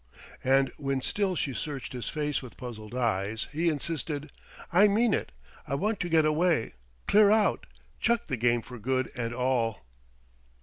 And when still she searched his face with puzzled eyes, he insisted: "I mean it; I want to get away clear out chuck the game for good and all!"